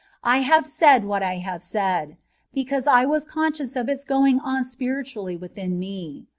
I bare said what I bare, because I was conscious of its going on spxritually witbin me.